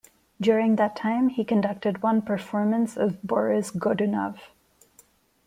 During that time, he conducted one performance of "Boris Godunov".